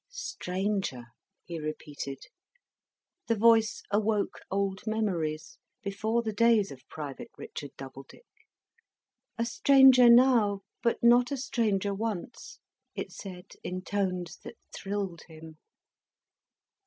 "Stranger!" he repeated. The voice awoke old memories, before the days of Private Richard Doubledick. "A stranger now, but not a stranger once," it said in tones that thrilled him.